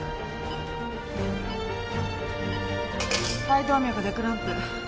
肺動脈デクランプ。